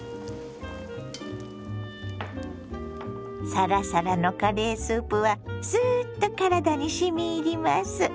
サラサラのカレースープはすっと体にしみ入ります。